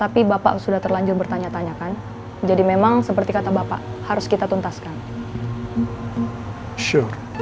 apa jangan jangan ricky